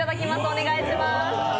お願いします。